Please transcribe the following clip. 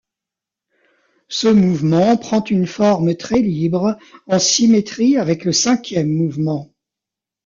Ce mouvement prend une forme très libre, en symétrie avec le cinquième mouvement.